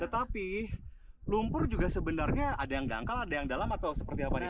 tetapi lumpur juga sebenarnya ada yang dangkal ada yang dalam atau seperti apa nih